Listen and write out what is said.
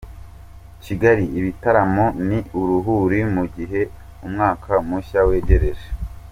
Kigali Ibitaramo ni uruhuri mu gihe umwaka mushya wegereje